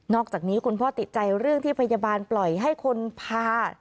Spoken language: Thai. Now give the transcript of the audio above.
อกจากนี้คุณพ่อติดใจเรื่องที่พยาบาลปล่อยให้คนพา